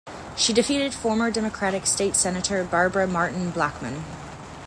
She defeated former Democratic state Senator Barbara Martin Blackmon.